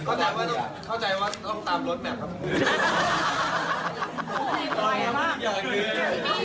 เข้าใจว่าต้องตามโรดแม็ปครับ